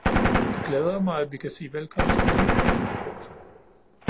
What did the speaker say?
Det glæder mig, at vi kan sige velkommen til en ny kvinde på podiet.